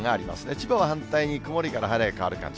千葉は反対に、曇りから晴れに変わる感じ。